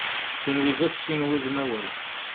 Kunwi d at sin wudmawen.